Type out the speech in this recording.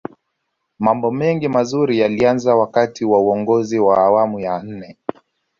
mambo mengi mazuri yalianza wakati wa uongozi wa awamu ya nne